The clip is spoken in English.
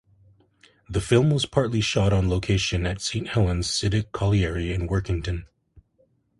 The film was partly shot on location at Saint Helens Siddick Colliery in Workington.